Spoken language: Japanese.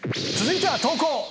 続いては投稿！